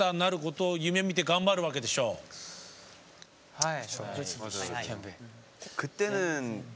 はい。